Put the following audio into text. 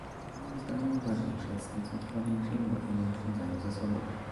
Moim zdaniem ważniejsze jest skoncentrowanie naszej uwagi na oszczędzaniu zasobów